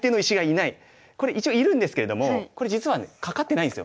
これ一応いるんですけれどもこれ実はねかかってないんですよ。